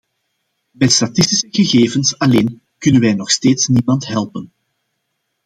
Met statistische gegevens alleen kunnen wij nog steeds niemand helpen.